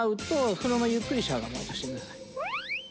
そのままゆっくりしゃがもうとしてください。